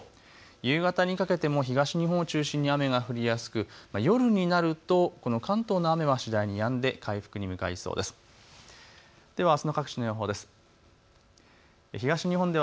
夕方にかけても東日本を中心に雨が降りやすく、夜になるとこの関東の雨は次第にやんで回復に向かいそうです。